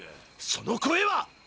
その声は！